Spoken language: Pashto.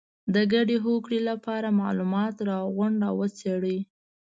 د ګډې هوکړې لپاره معلومات راغونډ او وڅېړئ.